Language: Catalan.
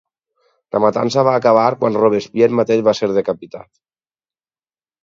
La matança va acabar quan Robespierre mateix va ser decapitat.